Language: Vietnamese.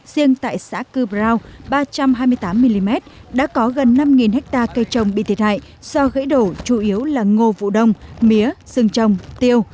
riêng tại xã cư brao ba trăm hai mươi tám mm đã có gần năm hectare cây trồng bị thiệt hại do gãy đổ chủ yếu là ngô vụ đông mía rừng trồng tiêu